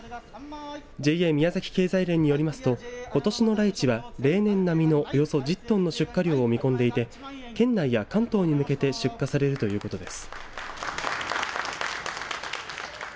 ＪＡ宮崎経済連によりますとことしのライチは例年並みのおよそ１０トンの出荷量を見込んでいて県内や関東に向けて出荷されるということです。